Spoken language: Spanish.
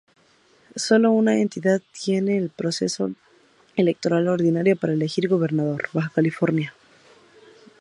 Solo una entidad tiene un proceso electoral ordinaria para elegir gobernador: Baja California.